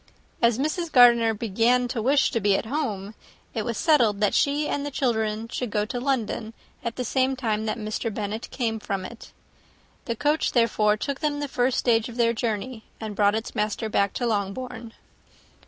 As Mrs. Gardiner began to wish to be at home, it was settled that she and her children should go to London at the same time that Mr. Bennet came from it. The coach, therefore, took them the first stage of their journey, and brought its master back to Longbourn.